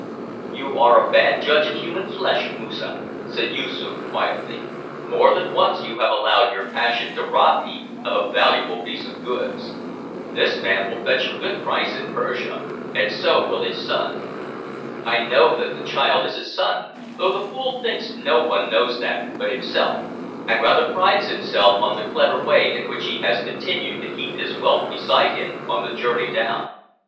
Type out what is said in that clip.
"You are a bad judge of human flesh, Moosa," said Yoosoof, quietly; "more than once you have allowed your passion to rob me of a valuable piece of goods. This man will fetch a good price in Persia, and so will his son. I know that the child is his son, though the fool thinks no one knows that but himself, and rather prides himself on the clever way in which he has continued to keep his whelp beside him on the journey down.